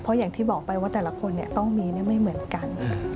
เพราะอย่างที่บอกไปว่าแต่ละคนต้องมีไม่เหมือนกัน